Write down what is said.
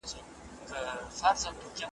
او ویده شئ.